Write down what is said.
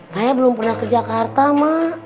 saya belum pernah ke jakarta mak